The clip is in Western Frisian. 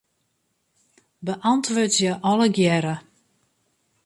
Beäntwurdzje allegearre.